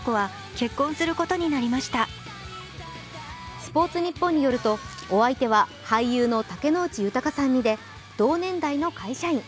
「スポーツニッポン」によるとお相手は俳優の竹野内豊さん似で同年代の会社員。